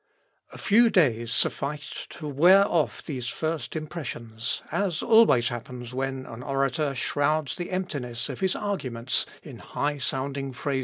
A few days sufficed to wear off these first impressions, as always happens when an orator shrouds the emptiness of his arguments in high sounding phrases.